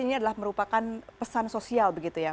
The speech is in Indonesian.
ini adalah merupakan pesan sosial begitu ya